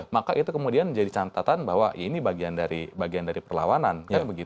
maka itu kemudian jadi catatan bahwa ini bagian dari perlawanan